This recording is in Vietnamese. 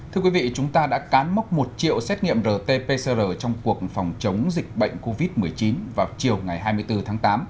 thưa quý vị chúng ta đã cán mốc một triệu xét nghiệm rt pcr trong cuộc phòng chống dịch bệnh covid một mươi chín vào chiều ngày hai mươi bốn tháng tám